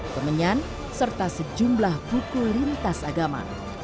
kemenyan serta sejumlah buku lintas agama